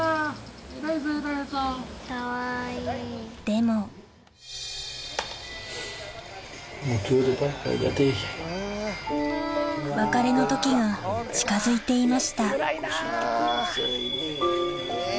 でも別れの時が近づいていました